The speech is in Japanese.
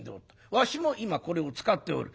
わしも今これを使っておる。